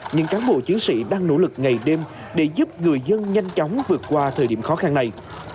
những cán bộ chiến sĩ đang nỗ lực ngày đêm để giúp người dân nhanh chóng vượt qua thời điểm khó khăn này